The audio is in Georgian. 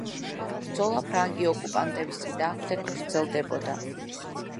ბრძოლა ფრანგი ოკუპანტების წინააღმდეგ გრძელდებოდა.